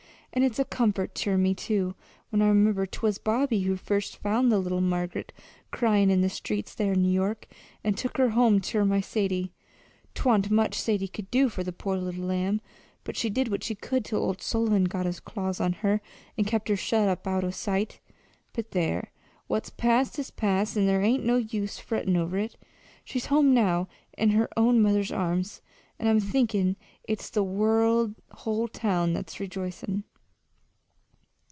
And it's a comfort ter me, too, when I remember 'twas Bobby who first found the little Margaret cryin' in the streets there in New York, an' took her home ter my Sadie. 'Twa'n't much Sadie could do for the poor little lamb, but she did what she could till old Sullivan got his claws on her and kept her shut up out o' sight. But there! what's past is past, and there ain't no use frettin' over it. She's home now, in her own mother's arms, and I'm thinkin' it's the whole town that's rejoicin'!"